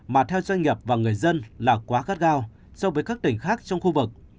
mà theo doanh nghiệp và người dân là quá gắt gao so với các tỉnh khác trong khu vực